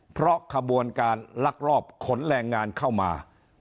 เพราะขบวนการลักลอบขนแรงงานเข้ามา